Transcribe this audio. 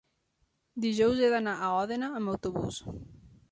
dijous he d'anar a Òdena amb autobús.